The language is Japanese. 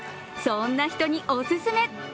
そんな人におすすめ！